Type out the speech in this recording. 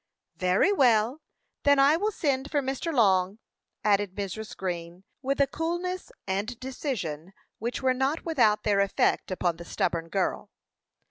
"Very well; then I will send for Mr. Long," added Mrs. Green, with a coolness and decision which were not without their effect upon the stubborn girl.